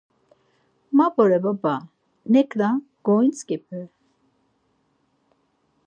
Ma vore baba, neǩna gontzǩipi?